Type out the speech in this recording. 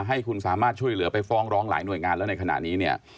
ให้คุณสามารถช่วยเหลือไปฟ้องร้องหลายหน่วยงานแล้วในขณะนี้เนี่ย